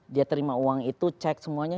dia terima uang itu cek semuanya